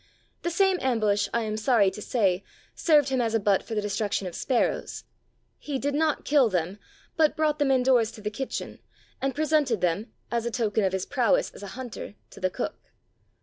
The same ambush, I am sorry to say, served him as a butt for the destruction of sparrows. He did not kill them, but brought them indoors to the kitchen, and pre sented them, as a token of his prowess as a hunter, to the cook.